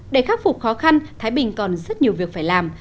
để khắc phục khó khăn thái bình còn rất nhiều việc phải làm